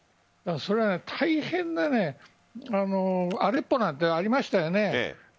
それは大変なアレッポなんてありましたよね。